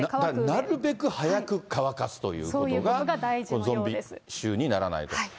なるべく早く乾かすということがゾンビ臭にならないと。